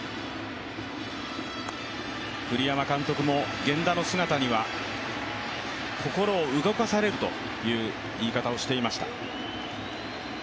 栗山監督も源田の姿には心を動かされるという言い方をしていました。